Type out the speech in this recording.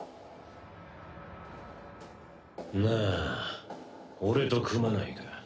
なあ俺と組まないか？